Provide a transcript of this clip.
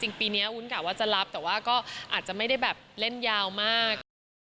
จริงปีนี้อุ้นกะว่าจะรับแต่ว่าก็อาจจะไม่ได้แบบเล่นยาวมาก